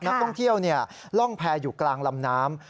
นักท่องเที่ยวล่องแพรอยู่กลางลำน้ำ